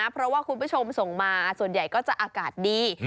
เพราะว่าคุณผู้ชมส่งมาส่วนใหญ่ก็จะอากาศดี